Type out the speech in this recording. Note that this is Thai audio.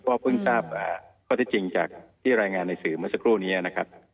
ก็เพิ่งทราบข้อที่จริงจากที่รายงานในสื่อเมื่อสักครู่นี้นะครับ